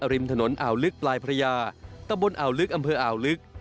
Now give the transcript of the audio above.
ริมถนนอ่าวลึกปลายพระยาตะบนอ่าวลึกอำเภออ่าวลึก